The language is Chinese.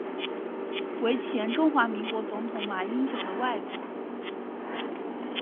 为前中华民国总统马英九的外公。